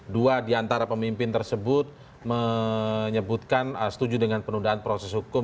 dua di antara pemimpin tersebut menyebutkan setuju dengan penundaan proses hukum